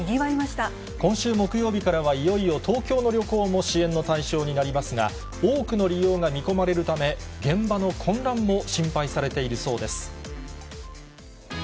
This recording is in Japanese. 今週木曜日からは、いよいよ東京の旅行も支援の対象になりますが、多くの利用が見込まれるため、現場の混乱も心配されているそうです。